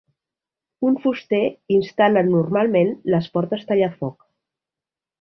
Un fuster instal·la normalment les portes tallafoc.